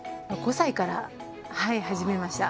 ５歳からはい始めました。